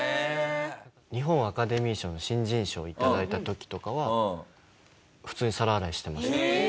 日本アカデミー賞の新人賞頂いた時とかは普通に皿洗いしてました。